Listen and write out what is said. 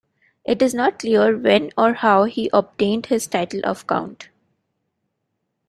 It is not clear when or how he obtained his title of count.